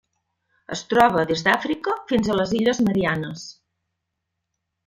Es troba des d'Àfrica fins a les Illes Mariannes.